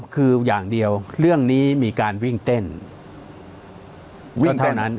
คืออย่างเดียวเรื่องนี้มีการวิ่งเต้นวิ่งเท่านั้น